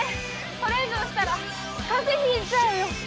それ以上したら風邪ひいちゃうよ！